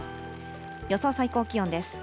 予想最高気温です。